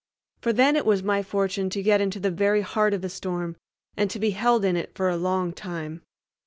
For then it was my fortune to get into the very heart of a storm, and to be held in it for a long time.